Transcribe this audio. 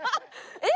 えっ？